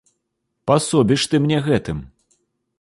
Пасобіш ты мне гэтым!